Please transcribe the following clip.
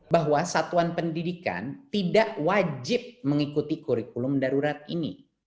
bahwa satuan pendidikan tidak wajib mengikuti kurikulum darurat ini